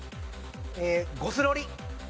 ゴスロリ。